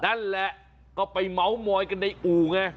นั่นแหละก็ไปเมาส์มอยกันในอู่ไง